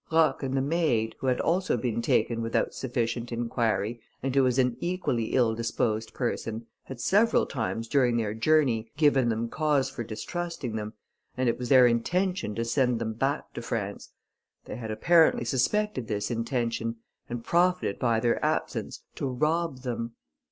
Roch and the maid, who had also been taken without sufficient inquiry, and who was an equally ill disposed person, had several times, during their journey, given them cause for distrusting them, and it was their intention to send them back to France. They had apparently suspected this intention, and profited by their absence to rob them.